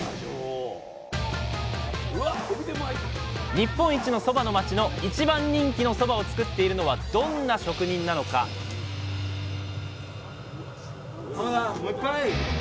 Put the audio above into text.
日本一のそばの町の一番人気のそばを作っているのはどんな職人なのかもう１杯！